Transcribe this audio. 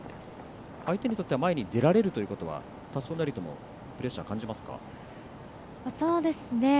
相手にとっては前に出られるということは多少なりともプレッシャー感じますか？